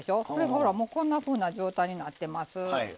ほらこんなふうな状態になってます。